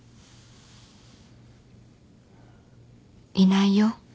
いないよ